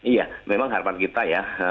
iya memang harapan kita ya